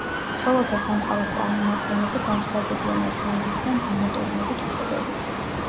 ცხოველთა სამყაროს წარმომადგენლები განსხვავდებიან ერთმანეთისგან ანატომიური თვისებებით.